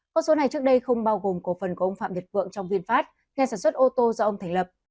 con số này trước đây không bao gồm cổ phần của ông phạm nhật vượng trong vinfast nhà sản xuất ô tô do ông thành lập